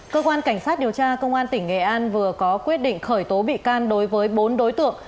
cơ quan cảnh sát điều tra công an tỉnh nghệ an vừa có quyết định khởi tố bị can đối với bốn đối tượng